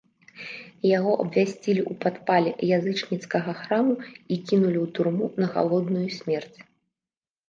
Яго абвясцілі ў падпале язычніцкага храму і кінулі ў турму на галодную смерць.